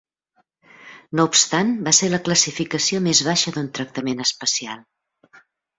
No obstant, va ser la classificació més baixa d'un tractament especial.